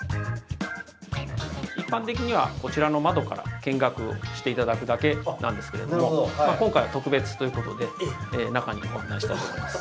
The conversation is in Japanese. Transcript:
一般的にはこちらの窓から見学して頂くだけなんですけれども今回は特別ということで中にご案内したいと思います。